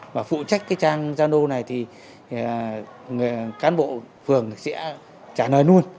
và phụ trách cái trang zalo này thì cán bộ phường sẽ trả lời luôn